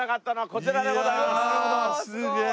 すげえ！